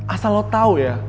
asal lo tau ya